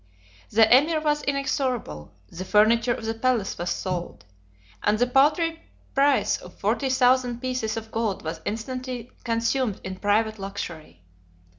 The emir was inexorable; the furniture of the palace was sold; and the paltry price of forty thousand pieces of gold was instantly consumed in private luxury.